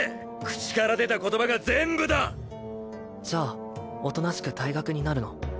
口から出た言葉が全部だじゃあおとなしく退学になるの？